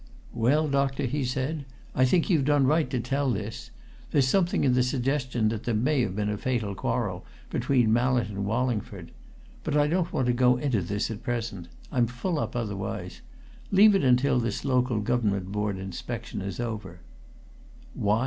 "Well, doctor," he said, "I think you've done right to tell this. There's something in the suggestion that there may have been a fatal quarrel between Mallett and Wallingford. But I don't want to go into this at present I'm full up otherwise. Leave it until this Local Government Board inspection is over."